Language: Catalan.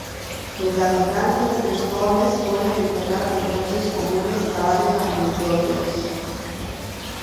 Els habitants dels tres pobles foren enterrats en fosses comunes cavades amb buldòzers.